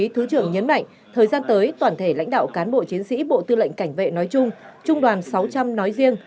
thứ trưởng nhấn mạnh thời gian tới toàn thể lãnh đạo cán bộ chiến sĩ bộ tư lệnh cảnh vệ nói chung trung đoàn sáu trăm linh nói riêng